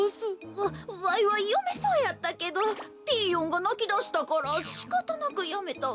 わわいはよめそうやったけどピーヨンがなきだしたからしかたなくやめたわ。